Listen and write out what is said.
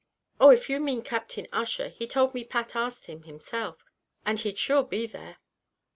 "Oh! if you mean Captain Ussher, he told me Pat asked him himself, and he'd sure be there."